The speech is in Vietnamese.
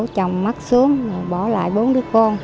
chồng mắc xuống bỏ lại bốn đứa con